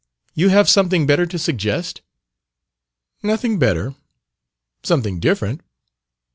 "You have something better to suggest?" "Nothing better. Something different.